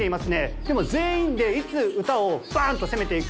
でも全員でいつ歌をバーンと攻めていく？